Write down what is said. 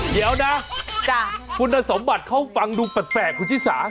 เดี๋ยวนะคุณสมบัติเขาฟังดูแปลกคุณชิสา